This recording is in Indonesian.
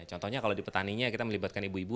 contohnya kalau di petaninya kita melibatkan ibu ibu